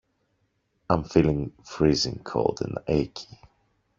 Am feeling freezing cold and achy.